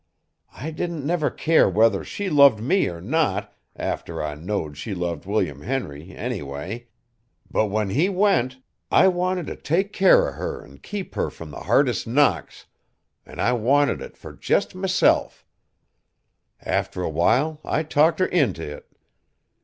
I didn't never care whether she loved me or not, after I knowed she loved William Henry, anyway; but when he went, I wanted t' take care of her an' keep her from the hardest knocks, an' I wanted it fur jest myself! After a while I talked her int' it.